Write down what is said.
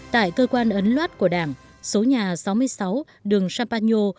tại cơ quan ấn loát của đảng số nhà sáu mươi sáu đường sapao